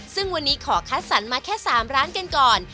ซึ่งวันนี้ขอคัดสรรมาแค่๓ร้านกันก่อน